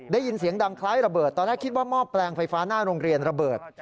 ได้ยินเสียงดังคล้ายระเบิดตอนแรกคิดว่าหม้อแปลงไฟฟ้าหน้าโรงเรียนระเบิด